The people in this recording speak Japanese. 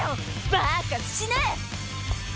バカ！死ね！